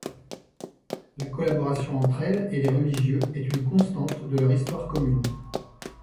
La collaboration entre elles et les religieux est une constante de leur histoire commune.